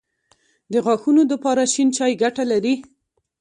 د غاښونو دپاره شين چای ګټه لري